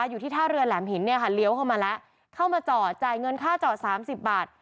อยู่ที่ท่าเรือแหลมหินเนี่ยค่ะเลี้ยวเข้ามาแล้วเข้ามาจอดจ่ายเงินค่าจอดสามสิบบาท